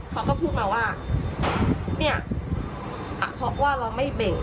เขาก็พูดมาว่าเนี่ยเพราะว่าเราไม่เบ่ง